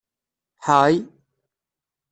Ḥay!